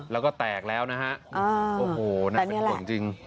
แล้วก็แตกแล้วนะฮะโอ้โหน่าเป็นห่วงจริง